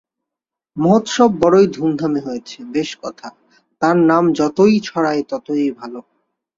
মহোৎসব বড়ই ধুমধামে হয়েছে, বেশ কথা, তাঁর নাম যতই ছড়ায় ততই ভাল।